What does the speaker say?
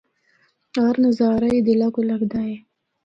ہر نظارہ ہی دلاّ کو لگدا اے۔